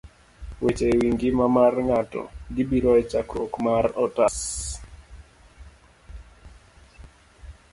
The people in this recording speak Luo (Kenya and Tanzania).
Weche e Wi Ngima mar Ng'ato.gibiro e chakruok mar otas